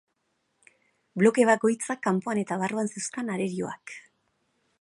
Bloke bakoitzak kanpoan eta barruan zeuzkan arerioak.